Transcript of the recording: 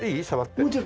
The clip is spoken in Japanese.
もちろん。